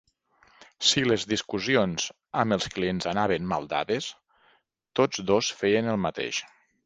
Si les discussions amb els clients anaven mal dades, tots dos feien el mateix.